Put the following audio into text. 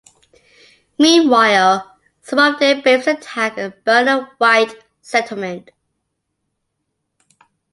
Meanwhile, some of their braves attack and burn a white settlement.